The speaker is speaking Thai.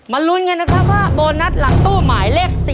ลุ้นกันนะครับว่าโบนัสหลังตู้หมายเลข๔